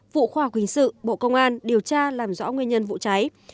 vụ khoa học hình sự bộ công an điều tra làm rõ nguyên nhân vụ cháy